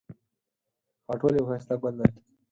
خاټول یو ښایسته ګل دی